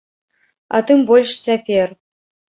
А тым больш цяпер.